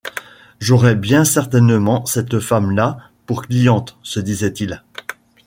J’aurai bien certainement cette femme-là pour cliente, se disait-il.